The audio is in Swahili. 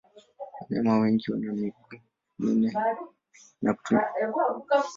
Wanyama wengi wana miguu minne na kuitumia yote pamoja kwa kutembea.